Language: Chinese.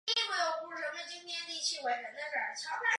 寨里镇位于山东省济南市莱芜区。